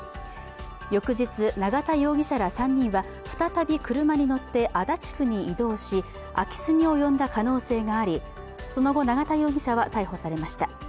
翌日、永田容疑者ら３人は再び車に乗って足立区に移動し空き巣に及んだ可能性があり、その後、永田容疑者は逮捕されました。